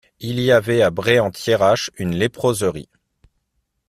Il y avait à Braye-en-Thiérache une léproserie.